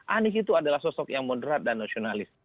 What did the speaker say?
anies itu adalah sosok yang moderat dan nasionalis